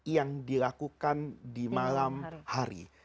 yang dilakukan di malam hari